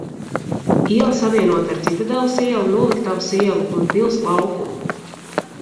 Iela savienota ar Citadeles ielu, Noliktavas ielu un Pils laukumu.